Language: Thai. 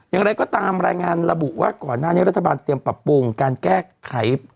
อย่างไรก็ตามรายงานระบุว่าก่อนหน้านี้รัฐบาลเตรียมปรับปรุงการแก้ไข